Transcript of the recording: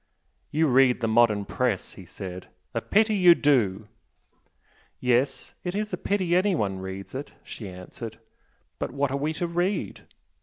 "You read the modern Press" he said "A pity you do!" "Yes it's a pity anyone reads it!" she answered "But what are we to read?